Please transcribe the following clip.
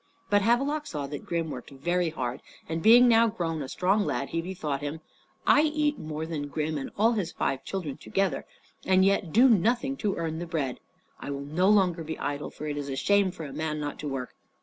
But Havelok saw that Grim worked very hard, and being now grown a strong lad, he bethought him "I eat more than Grim and all his five children together, and yet do nothing to earn the bread. I will no longer be idle, for it is a shame for a man not to work."